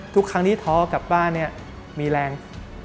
ทุกครั้งที่ท้อกลับบ้านเนี่ยมีแรง